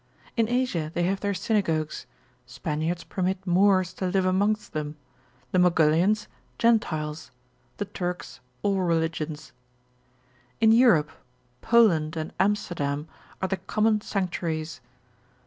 In Asia they have their synagogues: Spaniards permit Moors to live amongst them: the Mogullians, Gentiles: the Turks all religions. In Europe, Poland and Amsterdam are the common sanctuaries.